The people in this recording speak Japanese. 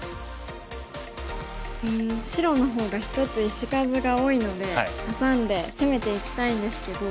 白の方が１つ石数が多いのでハサんで攻めていきたいんですけど。